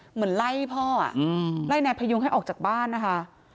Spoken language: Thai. เหมือนไล่พ่อไล่นายพยุงให้ออกจากบ้านนะคะ